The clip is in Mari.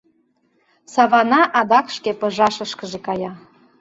— Савана адак шке пыжашышкыже кая.